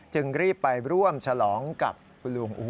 จึงรีบไปร่วมฉลองกับคุณลุง